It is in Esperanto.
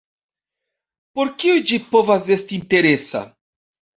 Por kiuj ĝi povas esti interesa?